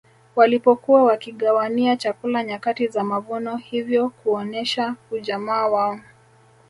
Walipokuwa wakigawania chakula nyakati za mavuno hivyo kuonesha ujamaa wao